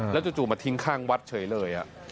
จู่มาทิ้งข้างวัดเฉยเลย